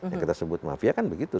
yang kita sebut mafia kan begitu